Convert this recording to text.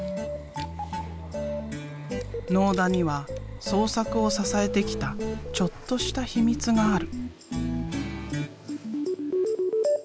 納田には創作を支えてきたちょっとしたヒミツがある。